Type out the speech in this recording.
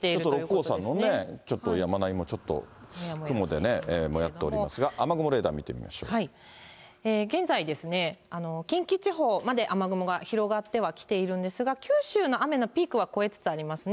六甲山のね、ちょっと山並みもちょっと、雲でもやっておりますが、現在ですね、近畿地方まで雨雲が広がってきているんですが、九州の雨のピークは越えつつありますね。